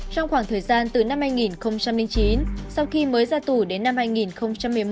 trong khoảng thời gian từ năm hai nghìn chín sau khi mới ra tù đến năm hai nghìn một mươi một